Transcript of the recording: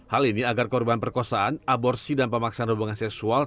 hal ini agar korban perkosaan aborsi dan pemaksaan hubungan seksual